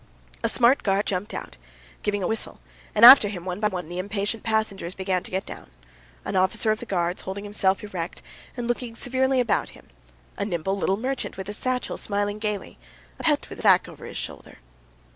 A smart guard jumped out, giving a whistle, and after him one by one the impatient passengers began to get down: an officer of the guards, holding himself erect, and looking severely about him; a nimble little merchant with a satchel, smiling gaily; a peasant with a sack over his shoulder.